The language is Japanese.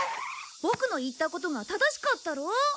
ボクの言ったことが正しかったろう？